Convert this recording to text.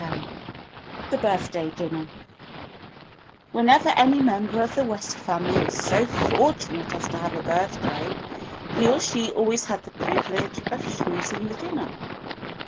X The Birthday Dinner WHENEVER any member of the West family was so fortunate as to have a birthday, he or she always had the privilege of choosing the dinner.